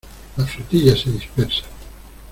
la flotilla se dispersa.